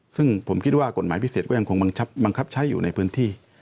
ซึ่งผมคิดว่ากฎหมายพิเศษก็ยังคงบังคับใช้อยู่ในพื้นที่